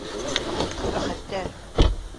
- Ҡәбәхәттәр!